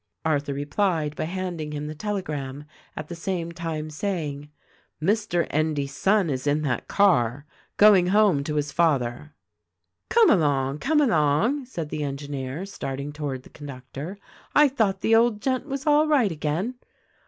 Arthur replied by handing him the telegram, at the same time saying, "Mr. Endy's son is in that car — going home to his father." "Come along! Come along!" said the engineer, starting toward trie conductor, "I thought the old gent was all right again."